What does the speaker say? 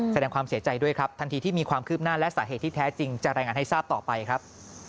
แสดงความเสียใจด้วยครับ